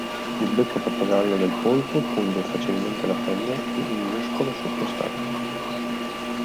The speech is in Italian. Il becco a pappagallo del polpo punge facilmente la pelle e il muscolo sottostante.